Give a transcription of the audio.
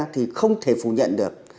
thì không thể phủ nhận được